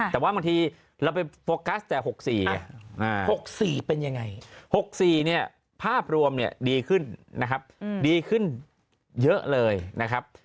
แต่ว่าบางทีเราไปโฟกัสแต่๖๔ไง๖๔เป็นยังไง๖๔เนี่ยภาพรวมเนี่ยดีขึ้นนะครับดีขึ้นเยอะเลยนะครับ